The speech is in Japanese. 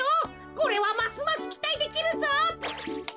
これはますますきたいできるぞ。はいちぃ